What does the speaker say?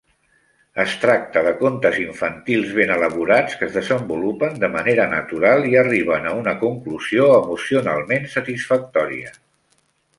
Es tracta de contes infantils ben elaborats, que es desenvolupen de manera natural i arriben a una conclusió emocionalment satisfactòria.